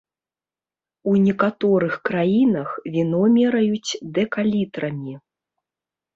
У некаторых краінах віно мераюць дэкалітрамі.